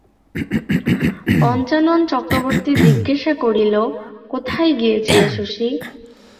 পঞ্চানন চক্রবর্তী জিজ্ঞাসা করিল, কোথায় গিয়েছিলে শশী?